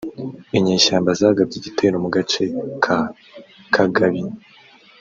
inyeshyamba zagabye igitero mu gace ka Kagabi